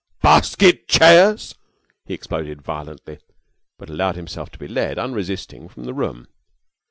"Basket chairs !" he exploded, violently, but allowed himself to be led unresisting from the room.